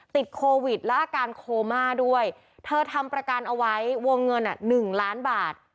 ติดโควิดและอาการโคม่าด้วยเธอทำประกันเอาไว้วงเงิน๑ล้านบาท